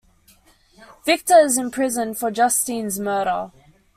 Victor is imprisoned for Justine's murder.